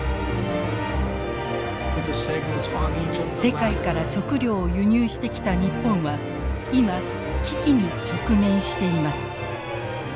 世界から食料を輸入してきた日本は今危機に直面しています。